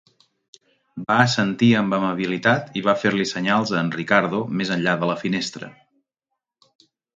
Va assentir amb amabilitat i va fer-li senyals a en Ricardo més enllà de la finestra.